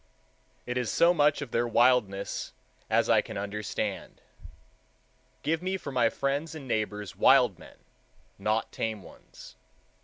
It is so much of their wildness as I can understand. Give me for my friends and neighbors wild men, not tame ones.